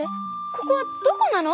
ここはどこなの？